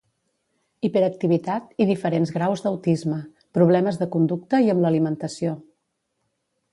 Hiperactivitat i diferents graus d'autisme, problemes de conducta i amb l'alimentació.